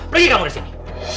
pergi kamu dari sini